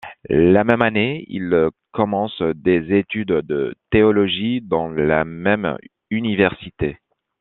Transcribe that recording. La même année, il commence des études de théologie dans la même université.